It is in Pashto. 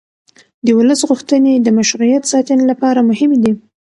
د ولس غوښتنې د مشروعیت ساتنې لپاره مهمې دي